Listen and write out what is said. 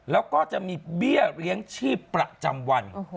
แล้วก็จะมีเบี้ยเลี้ยงชีพประจำวัน